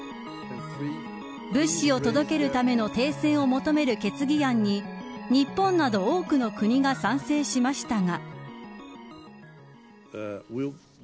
物資を届けるための停戦を求める決議案に日本など多くの国が賛成しましたが。